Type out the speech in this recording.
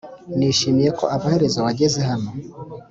nishimiye ko amaherezo wageze hano,